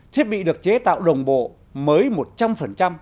thiết bị được chế tạo đồng bộ mới một trăm linh